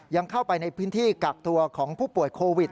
ยังเข้าไปในพื้นที่กักตัวของผู้ป่วยโควิด